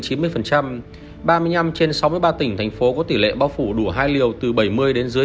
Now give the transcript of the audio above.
ba mươi năm trên sáu mươi ba tỉnh thành phố có tỷ lệ bao phủ đủ hai liều từ bảy mươi đến dưới